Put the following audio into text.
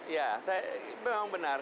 ya saya memang benar